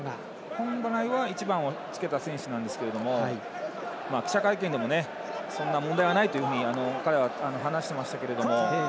本来は１番をつけた選手ですが記者会見でもそんな問題はないというふうに彼は話していましたけど。